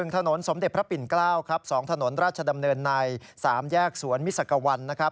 ๑ถนนสมเด็จพระปิ่น๙๒ถนนราชดำเนินใน๓แยกสวนมิสกวัล